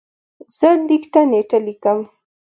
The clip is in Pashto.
زه لیک ته نېټه لیکم.